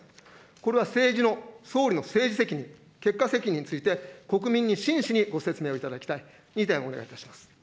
これは政治の、総理の政治責任、結果責任について、国民に真摯にご説明をいただきたい。